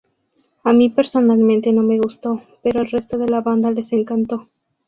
A mí personalmente no me gustó, pero al resto de la banda les encantó.